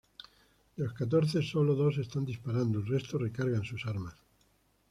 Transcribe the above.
De los catorce sólo dos están disparando, el resto recargan sus armas.